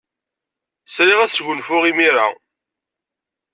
Sriɣ ad sgunfuɣ imir-a.